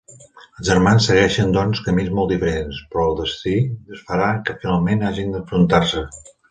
Els germans segueixen, doncs, camins molt diferents, però el destí farà que, finalment, hagin d'enfrontar-se.